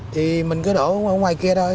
thì mình cứ đổ ở ngoài kia thôi